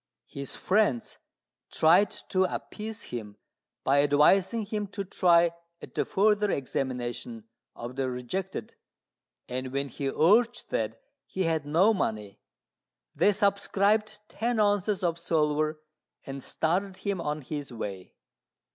His friends tried to appease him by advising him to try at the further examination of the rejected, and when he urged that he had no money, they subscribed ten ounces of silver and started him on his way.